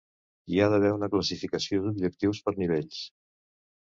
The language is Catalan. Hi ha d'haver una classificació d'objectius per nivells.